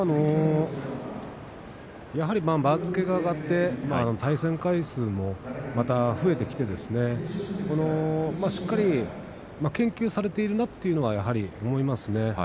やはり番付が上がって対戦回数も増えてしっかりと研究されているなということは思います。